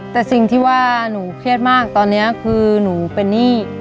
แต่สิ่งที่ว่าหนูเครียดมากตอนนี้คือหนูเป็นหนี้